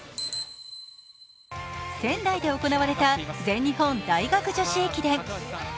仙台で行われた全日本大学女子駅伝。